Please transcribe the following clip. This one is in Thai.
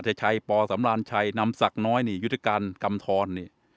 อัศชัยปอสำราญชัยนำศักดิ์น้อยยุติกรรมกำทรนี่